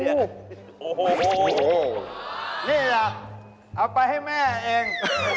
นี่แหละเอาไปให้แม่อันเอง